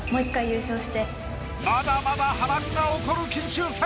まだまだ波乱が起こる金秋戦。